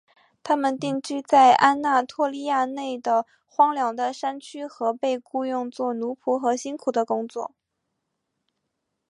他们定居在安纳托利亚内的荒凉的山区和被雇用作奴仆和辛苦的工作。